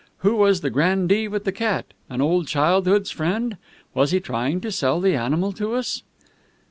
"Who was the grandee with the cat? An old childhood's friend? Was he trying to sell the animal to us?"